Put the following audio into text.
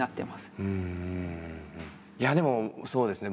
いやでもそうですね